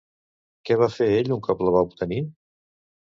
Què va fer ell un cop la va obtenir?